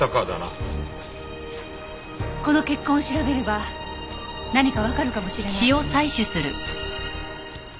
この血痕を調べれば何かわかるかもしれない。